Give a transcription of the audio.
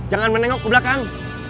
jangan menengok ke belakang